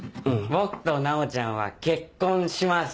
僕と奈央ちゃんは結婚します。